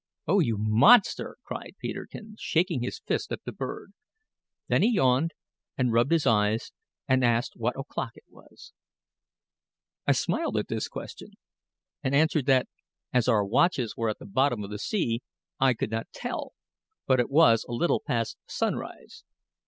"Oh, you monster!" cried Peterkin, shaking his fist at the bird. Then he yawned, and rubbed his eyes, and asked what o'clock it was. I smiled at this question, and answered that, as our watches were at the bottom of the sea, I could not tell, but it was a little past sunrise.